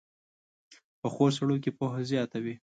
پخو سړو کې پوهه زیاته وي